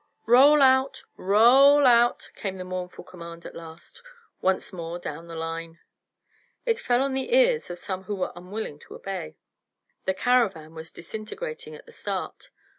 "Roll out! Ro o o ll out!" came the mournful command at last, once more down the line. It fell on the ears of some who were unwilling to obey. The caravan was disintegrating at the start.